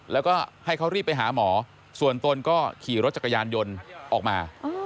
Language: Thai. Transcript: แล้วก็ให้เขารีบไปหาหมอส่วนตนก็ขี่รถจักรยานยนต์ออกมา